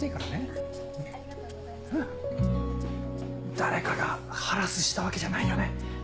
誰かがハラスしたわけじゃないよね？